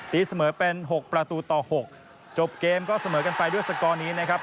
ตีเสมอเป็น๖ประตูต่อ๖จบเกมก็เสมอกันไปด้วยสกอร์นี้นะครับ